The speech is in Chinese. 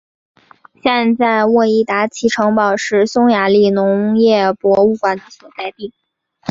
现在沃伊达奇城堡是匈牙利农业博物馆的所在地。